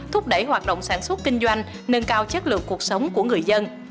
thúc đẩy hoạt động sản xuất kinh doanh nâng cao chất lượng cuộc sống của người dân